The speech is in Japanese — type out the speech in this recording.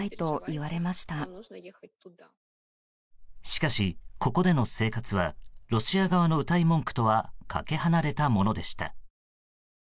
しかし、ここでの生活はロシア側のうたい文句とはかけ離れたものでした。